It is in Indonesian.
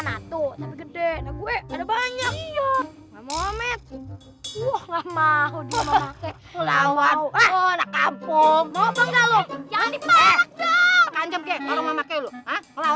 natu gede gue ada banyak iya ngomit gua mau mau mau mau mau mau mau mau mau mau mau mau mau